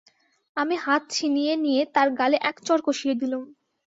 আমি হাত ছিনিয়ে নিয়ে তার গালে এক চড় কষিয়ে দিলুম।